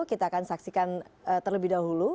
kita akan saksikan terlebih dahulu